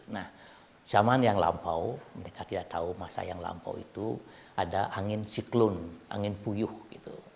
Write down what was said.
nah zaman yang lampau mereka tidak tahu masa yang lampau itu ada angin siklun angin puyuh gitu